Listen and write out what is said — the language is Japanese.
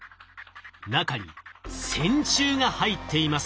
中に線虫が入っています。